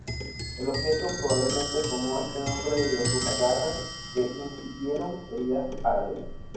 El objeto probablemente tomó este nombre debido a sus "garras", que infligieron heridas paralelas.